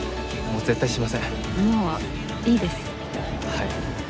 はい。